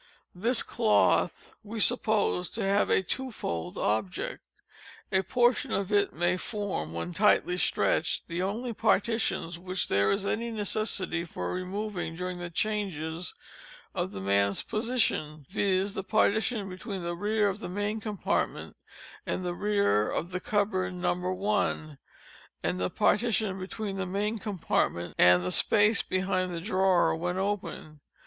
_This cloth we suppose to have a twofold object. A portion of _it _may form, when tightly stretched, the only partitions which there is any necessity for removing during the changes of the man's position, viz: the partition between the rear of the main compartment and the rear of the cupboard No. 1, and the partition between the main compartment, and the space behind the drawer when open.